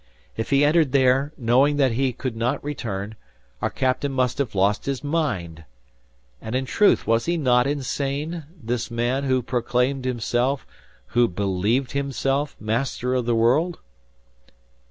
If he entered there, knowing that he could not return, our captain must have lost his mind! And in truth was he not insane, this man who proclaimed himself, who believed himself, Master of the World?